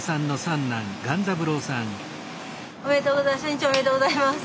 おめでとうございます。